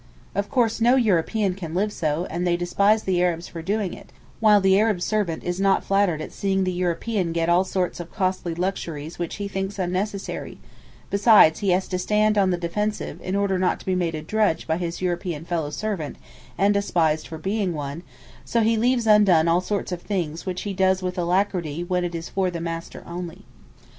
Of course no European can live so, and they despise the Arabs for doing it, while the Arab servant is not flattered at seeing the European get all sorts of costly luxuries which he thinks unnecessary; besides he has to stand on the defensive, in order not to be made a drudge by his European fellow servant, and despised for being one; and so he leaves undone all sorts of things which he does with alacrity when it is for 'the master' only.